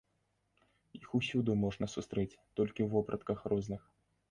Іх усюды можна сустрэць, толькі ў вопратках розных.